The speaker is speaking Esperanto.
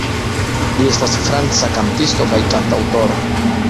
Li estas franca kantisto kaj kantaŭtoro.